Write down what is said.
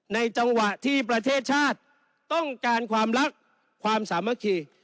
จังหวะที่ประเทศชาติต้องการความรักความสามัคคี